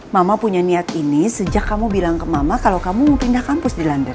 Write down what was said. mama punya niat ini sejak kamu bilang ke mama kalau kamu mau pindah kampus di london